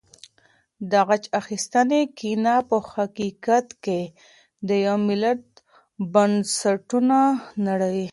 د غچ اخیستنې کینه په حقیقت کې د یو ملت بنسټونه نړوي.